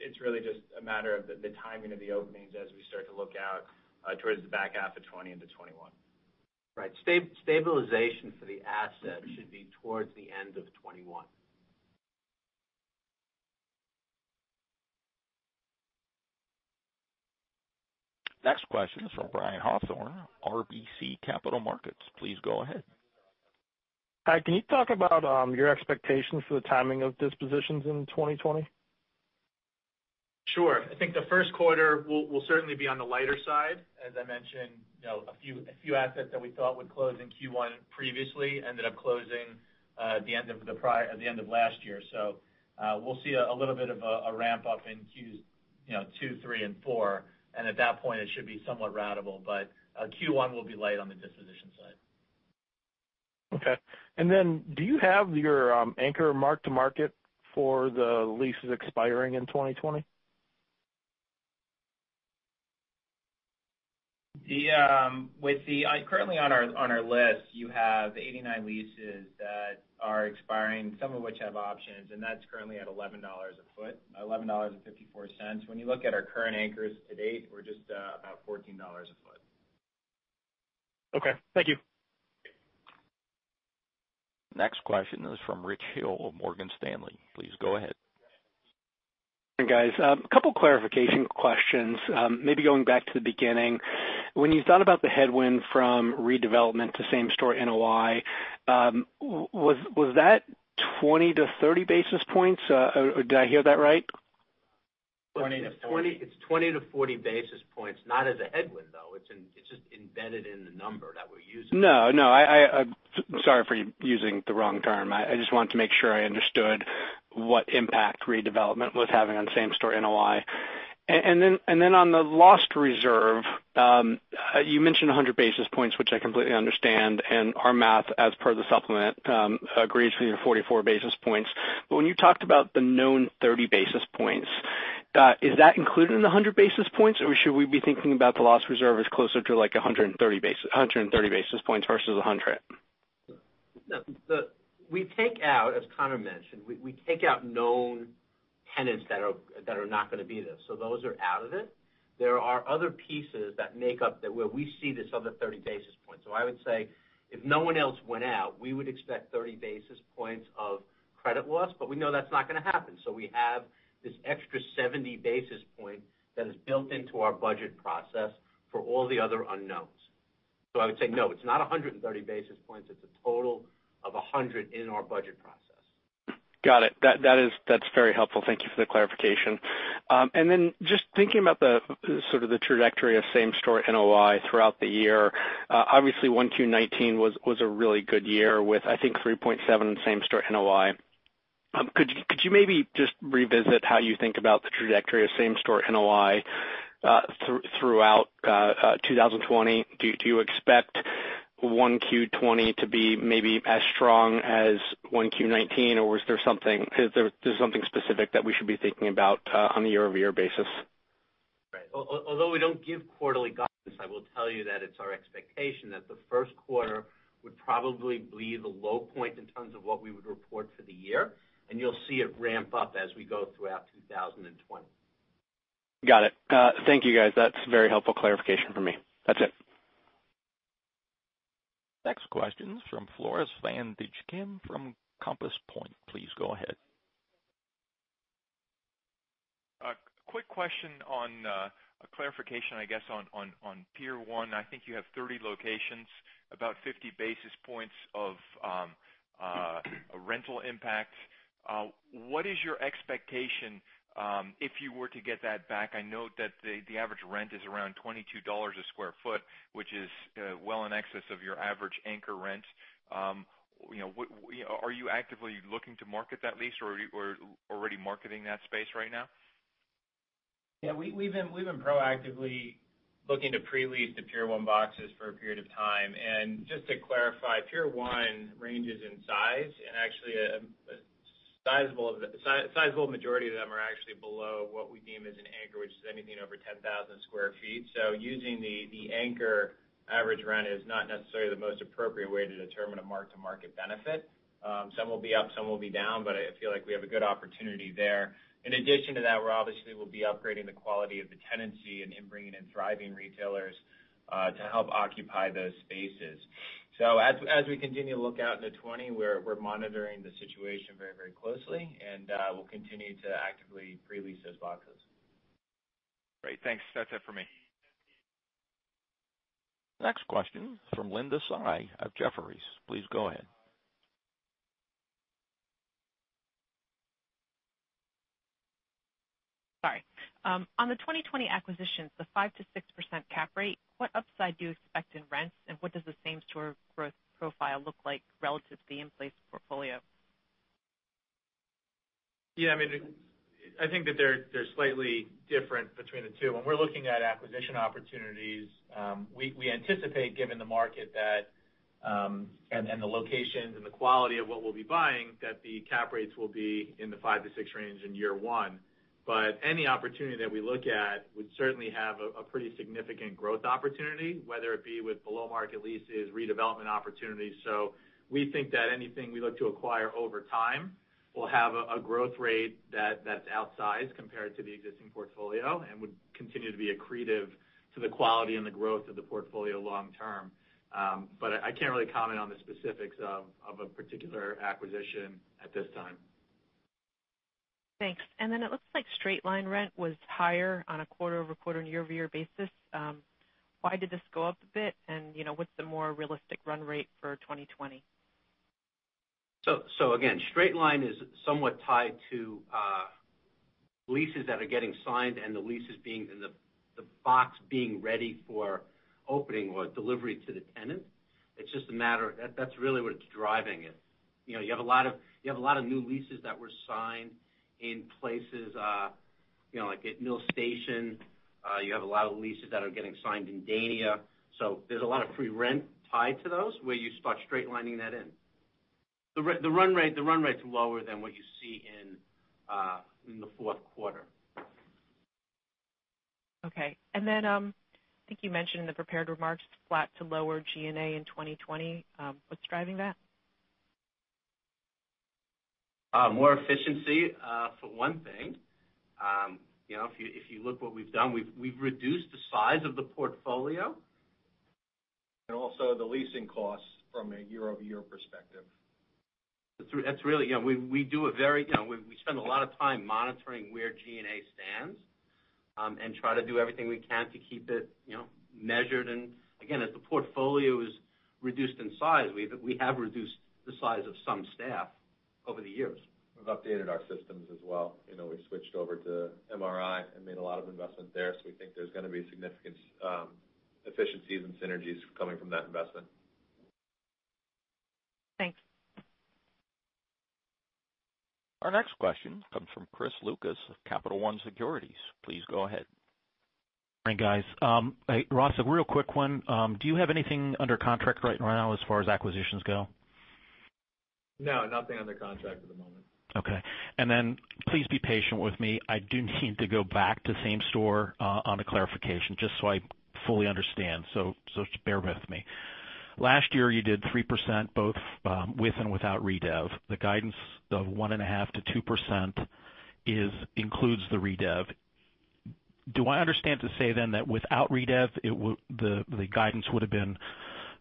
S8: It's really just a matter of the timing of the openings as we start to look out towards the back half of 2020 into 2021.
S5: Right. Stabilization for the asset should be towards the end of 2021.
S1: Next question is from Brian Hawthorne, RBC Capital Markets. Please go ahead.
S14: Hi. Can you talk about your expectations for the timing of dispositions in 2020?
S8: Sure. I think the first quarter will certainly be on the lighter side. As I mentioned, a few assets that we thought would close in Q1 previously ended up closing at the end of last year. We'll see a little bit of a ramp-up in Qs two, three, and four, and at that point it should be somewhat ratable. Q1 will be light on the disposition side.
S14: Okay. Then do you have your anchor mark-to-market for the leases expiring in 2020?
S8: Currently on our list, you have 89 leases that are expiring, some of which have options, and that's currently at $11 a foot, $11.54. When you look at our current anchors to date, we're just about $14 a foot.
S14: Okay. Thank you.
S1: Next question is from Rich Hill of Morgan Stanley. Please go ahead.
S15: Guys, a couple clarification questions. Maybe going back to the beginning. When you thought about the headwind from redevelopment to same-site NOI, was that 20 basis points-30 basis points? Did I hear that right?
S8: 20 basis points-40 basis points.
S5: It's 20 basis points-40 basis points. Not as a headwind, though. It's just embedded in the number that we're using.
S15: No, sorry for using the wrong term. I just wanted to make sure I understood what impact redevelopment was having on same-site NOI. On the loss reserve, you mentioned 100 basis points, which I completely understand, and our math, as per the supplement, agrees with your 44 basis points. When you talked about the known 30 basis points, is that included in the 100 basis points, or should we be thinking about the loss reserve as closer to 130 basis points versus 100 basis points?
S5: No. As Conor mentioned, we take out known tenants that are not going to be there. Those are out of it. There are other pieces that make up where we see this other 30 basis points. I would say, if no one else went out, we would expect 30 basis points of credit loss. We know that's not going to happen. We have this extra 70 basis points that is built into our budget process for all the other unknowns. I would say, no, it's not 130 basis points. It's a total of 100 basis points in our budget process.
S15: Got it. That's very helpful. Thank you for the clarification. Then just thinking about sort of the trajectory of same-store NOI throughout the year. Obviously, 1Q 2019 was a really good year with, I think, 3.7% in same-store NOI. Could you maybe just revisit how you think about the trajectory of same-store NOI throughout 2020? Do you expect 1Q 2020 to be maybe as strong as 1Q 2019, or is there something specific that we should be thinking about on a year-over-year basis?
S5: Right. Although we don't give quarterly guidance, I will tell you that it's our expectation that the first quarter would probably be the low point in terms of what we would report for the year, and you'll see it ramp up as we go throughout 2020.
S15: Got it. Thank you, guys. That's very helpful clarification for me. That's it.
S1: Next question is from Floris van Dijkum from Compass Point. Please go ahead.
S16: A quick question on a clarification, I guess, on Pier 1. I think you have 30 locations, about 50 basis points of rental impact. What is your expectation if you were to get that back? I know that the average rent is around $22 a square foot, which is well in excess of your average anchor rent. Are you actively looking to market that lease, or are you already marketing that space right now?
S8: Yeah, we've been proactively looking to pre-lease the Pier 1 boxes for a period of time. Just to clarify, Pier 1 ranges in size, and actually a sizable majority of them are actually below what we deem as an anchor, which is anything over 10,000 sq ft. Using the anchor average rent is not necessarily the most appropriate way to determine a mark-to-market benefit. Some will be up, some will be down, but I feel like we have a good opportunity there. In addition to that, we obviously will be upgrading the quality of the tenancy and bringing in thriving retailers to help occupy those spaces. As we continue to look out into 2020, we're monitoring the situation very closely, and we'll continue to actively pre-lease those boxes.
S16: Great. Thanks. That's it for me.
S1: Next question from Linda Tsai of Jefferies. Please go ahead.
S17: Sorry. On the 2020 acquisitions, the 5%-6% cap rate, what upside do you expect in rents, and what does the same-store growth profile look like relative to the in-place portfolio?
S8: Yeah, I think that they're slightly different between the two. When we're looking at acquisition opportunities, we anticipate, given the market and the locations and the quality of what we'll be buying, that the cap rates will be in the 5%-6% range in year one. Any opportunity that we look at would certainly have a pretty significant growth opportunity, whether it be with below-market leases, redevelopment opportunities. We think that anything we look to acquire over time will have a growth rate that's outsized compared to the existing portfolio and would continue to be accretive to the quality and the growth of the portfolio long term. I can't really comment on the specifics of a particular acquisition at this time.
S17: Thanks. It looks like straight-line rent was higher on a quarter-over-quarter and year-over-year basis. Why did this go up a bit? What's the more realistic run rate for 2020?
S5: Again, straight-line is somewhat tied to leases that are getting signed and the leases being in the box being ready for opening or delivery to the tenant. That's really what's driving it. You have a lot of new leases that were signed in places like at Mill Station. You have a lot of leases that are getting signed in Dania. There's a lot of free rent tied to those where you start straight lining that in. The run rates are lower than what you see in the fourth quarter.
S17: Okay. Then I think you mentioned in the prepared remarks flat to lower G&A in 2020. What's driving that?
S5: More efficiency, for one thing. If you look what we've done, we've reduced the size of the portfolio.
S3: Also the leasing costs from a year-over-year perspective.
S5: We spend a lot of time monitoring where G&A stands, and try to do everything we can to keep it measured. Again, as the portfolio is reduced in size, we have reduced the size of some staff over the years.
S3: We've updated our systems as well. We switched over to MRI and made a lot of investment there, so we think there's going to be significant efficiencies and synergies coming from that investment.
S17: Thanks.
S1: Our next question comes from Chris Lucas of Capital One Securities. Please go ahead.
S18: Hi, guys. Hey, Ross, a real quick one. Do you have anything under contract right now as far as acquisitions go?
S4: No, nothing under contract at the moment.
S18: Okay. Please be patient with me. I do need to go back to same store on a clarification, just so I fully understand. Just bear with me. Last year, you did 3%, both with and without redev. The guidance of 1.5%-2% includes the redev. Do I understand to say then that without redev, the guidance would've been,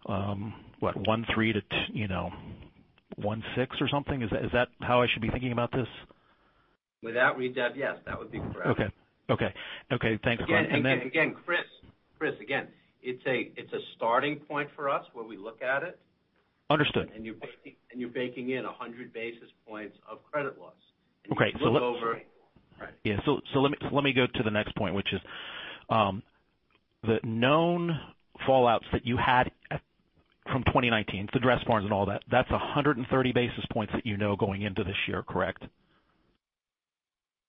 S18: what, 1.3%-1.6% or something? Is that how I should be thinking about this?
S5: Without redev, yes, that would be correct.
S18: Okay. Thanks, Glenn.
S5: Again, Chris. Chris, again, it's a starting point for us where we look at it.
S18: Understood.
S5: You're baking in 100 basis points of credit loss.
S18: Okay.
S5: You look over. Right.
S18: Yeah. Let me go to the next point, which is, the known fallouts that you had from 2019, the Dressbarn and all that's 130 basis points that you know going into this year, correct?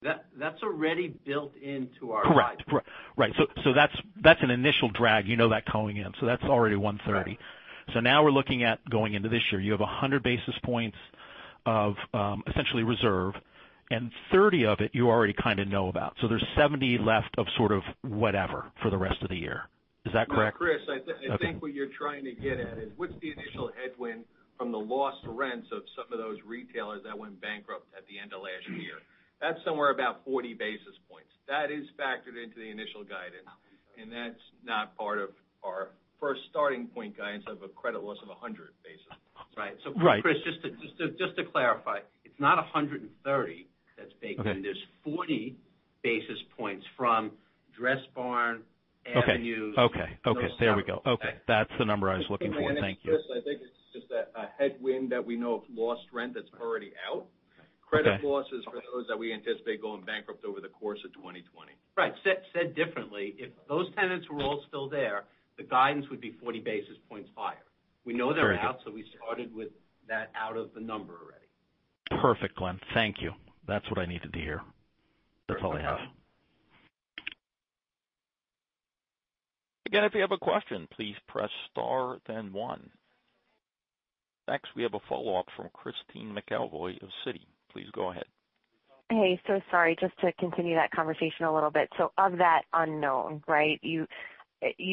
S5: That's already built into our guide.
S18: Correct. Right. That's an initial drag, you know that coming in. That's already 130 basis points.
S5: Right.
S18: Now we're looking at going into this year. You have 100 basis points of essentially reserve, and 30 basis points of it you already kind of know about. There's 70 basis points left of sort of whatever for the rest of the year. Is that correct?
S3: No, Chris, I think what you're trying to get at is what's the initial headwind from the lost rents of some of those retailers that went bankrupt at the end of last year. That's somewhere about 40 basis points. That is factored into the initial guidance, and that's not part of our first starting point guidance of a credit loss of 100 basis points.
S5: Right.
S18: Right.
S5: Chris, just to clarify, it's not 130 basis points that's baked in.
S18: Okay.
S5: There's 40 basis points from Dressbarn, Avenue.
S18: Okay. There we go. Okay. That's the number I was looking for. Thank you.
S3: To manage, Chris, I think it's just a headwind that we know of lost rent that's already out.
S18: Okay.
S3: Credit loss is for those that we anticipate going bankrupt over the course of 2020.
S5: Right. Said differently, if those tenants were all still there, the guidance would be 40 basis points higher.
S18: Very good.
S5: We know they're out, so we started with that out of the number already.
S18: Perfect, Glenn. Thank you. That's what I needed to hear. That's all I have.
S1: Again, if you have a question, please press star then one. We have a follow-up from Christine McElroy of Citi. Please go ahead.
S6: Hey. Sorry, just to continue that conversation a little bit. Of that unknown, right, you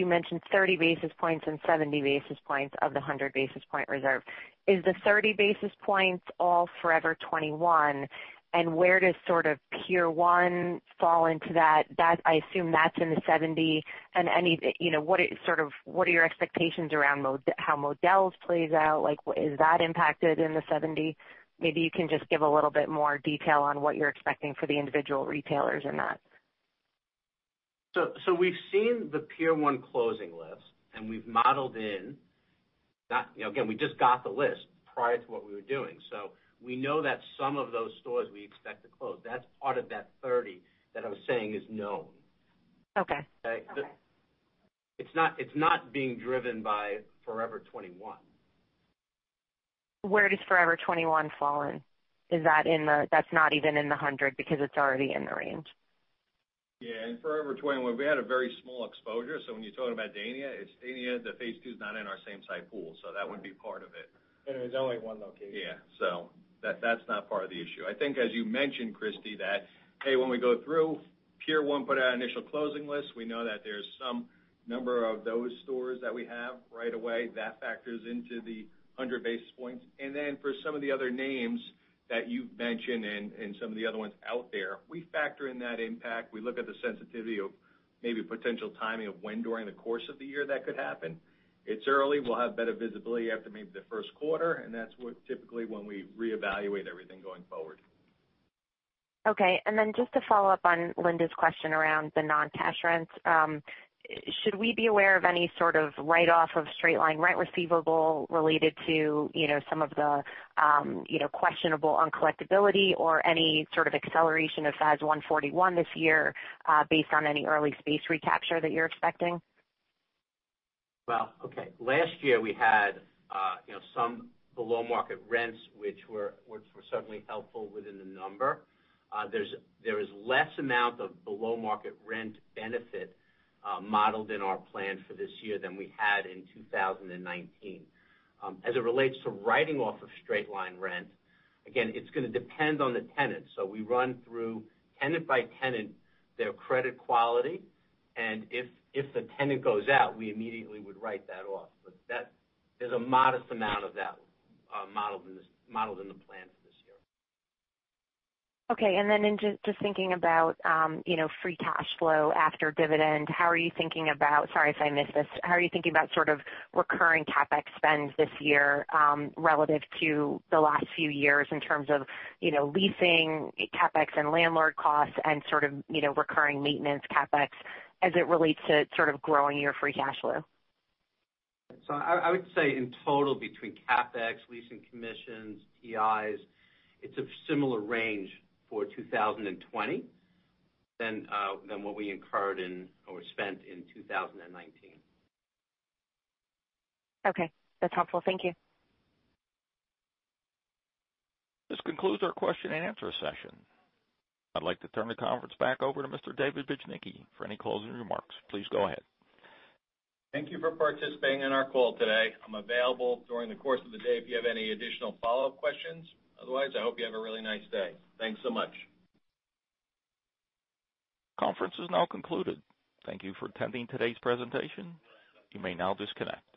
S6: mentioned 30 basis points and 70 basis points of the 100 basis point reserve. Is the 30 basis points all Forever 21, and where does sort of Pier 1 fall into that? I assume that's in the 70 basis points. What are your expectations around how Modell's plays out? Is that impacted in the 70 basis points? Maybe you can just give a little bit more detail on what you're expecting for the individual retailers in that.
S5: We've seen the Pier 1 closing list, and we've modeled in. Again, we just got the list prior to what we were doing. We know that some of those stores we expect to close. That's part of that 30 basis points that I was saying is known.
S6: Okay.
S5: It's not being driven by Forever 21.
S6: Where does Forever 21 fall in? That's not even in the 100 basis points because it's already in the range.
S3: In Forever 21, we had a very small exposure. When you're talking about Dania, it's Dania, the Phase II's not in our same-site pool. That wouldn't be part of it.
S8: There's only one location.
S3: Yeah. That's not part of the issue. I think as you mentioned, Christy, that, A, when we go through Pier 1, put out initial closing lists, we know that there's some number of those stores that we have right away. That factors into the 100 basis points. For some of the other names that you've mentioned and some of the other ones out there, we factor in that impact. We look at the sensitivity of maybe potential timing of when during the course of the year that could happen. It's early. We'll have better visibility after maybe the first quarter, and that's typically when we reevaluate everything going forward.
S6: Okay. Just to follow up on Linda's question around the non-cash rents. Should we be aware of any sort of write-off of straight-line rent receivable related to some of the questionable uncollectibility or any sort of acceleration of FAS 141 this year based on any early space recapture that you're expecting?
S5: Well, okay. Last year we had some below-market rents, which were certainly helpful within the number. There is less amount of below-market rent benefit modeled in our plan for this year than we had in 2019. As it relates to writing off of straight-line rent, again, it's going to depend on the tenant. We run through, tenant by tenant, their credit quality, and if the tenant goes out, we immediately would write that off. There's a modest amount of that modeled in the plan for this year.
S6: Okay. Just thinking about free cash flow after dividend, how are you thinking about? Sorry if I missed this. How are you thinking about sort of recurring CapEx spends this year, relative to the last few years in terms of leasing CapEx and landlord costs and sort of recurring maintenance CapEx as it relates to sort of growing your free cash flow?
S5: I would say in total between CapEx, leasing commissions, TIs, it's a similar range for 2020 than what we incurred in or spent in 2019.
S6: Okay. That's helpful. Thank you.
S1: This concludes our question and answer session. I'd like to turn the conference back over to Mr. David Bujnicki for any closing remarks. Please go ahead.
S2: Thank you for participating in our call today. I'm available during the course of the day if you have any additional follow-up questions. Otherwise, I hope you have a really nice day. Thanks so much.
S1: Conference is now concluded. Thank you for attending today's presentation. You may now disconnect.